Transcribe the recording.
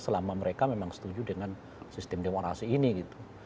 selama mereka memang setuju dengan sistem demokrasi ini gitu